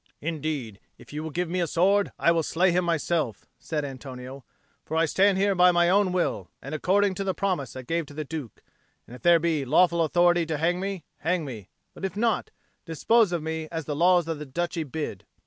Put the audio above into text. "Indeed, if you will give me a sword, I will slay him myself," said Antonio. "For I stand here by my own will, and according to the promise I gave to the Duke; and if there be lawful authority to hang me, hang me; but if not, dispose of me as the laws of the Duchy bid."